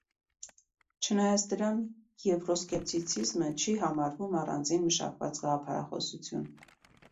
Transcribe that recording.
Չնայած դրան, եվրոսկեպտիցիզմը չի համարվում առանձին մշակված գաղափարախոսություն։